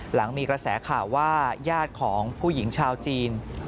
หลังมีกระแสข่าวว่าญาติของผู้หญิงชาวจีน